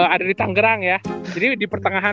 ada di tanggerang ya jadi di pertengahan